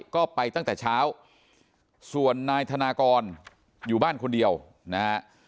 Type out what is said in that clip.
ก็ไปตั้งแต่เช้าส่วนนายธนากรอยู่บ้านคนเดียวนะฮะ